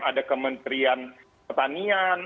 ada kementerian petanian